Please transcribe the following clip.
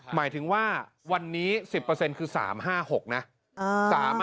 หมายถึงว่าวันนี้๑๐คือ๓๕๖นะ